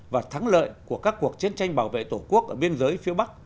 và thắng lợi của các cuộc chiến tranh bảo vệ tổ quốc ở biên giới phía bắc